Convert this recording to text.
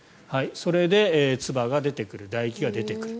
それで、つばが出てくるだ液が出てくる。